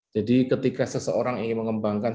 jadi ketika seseorang ingin mengembangkan